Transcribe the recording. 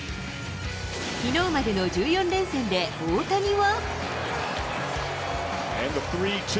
きのうまでの１４連戦で大谷は。